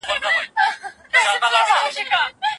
سياست خوځنده ځانګړنه لري او کله هم نه ولاړېږي.